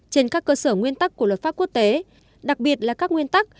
trên các cơ sở nguyên tắc của luật pháp quốc tế đặc biệt là các nguyên tắc